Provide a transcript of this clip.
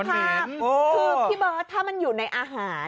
คือพี่เบิร์ตถ้ามันอยู่ในอาหาร